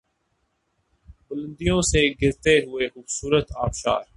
بلندیوں سے گرتے ہوئے خوبصورت آبشار